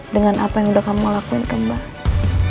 dengan apa yang udah kamu lakuin kembali